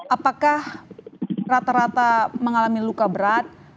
apakah rata rata mengalami luka berat